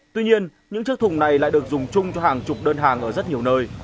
tuy nhiên những chiếc thùng này lại được dùng chung cho hàng chục đơn hàng ở rất nhiều nơi